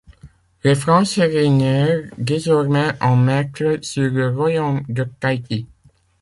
Les Français régnèrent désormais en maîtres sur le royaume de Tahiti.